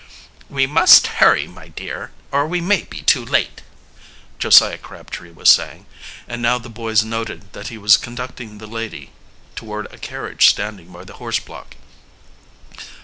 "We must hurry, my dear, or we may be too late," Josiah Crabtree was saying; and now the boys noted that he was conducting the lady toward a carriage standing by the horse block.